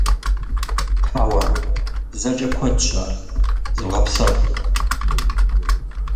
Хьэуэ, зэкӀэ куэдщ ар. Зывгъэпсэху.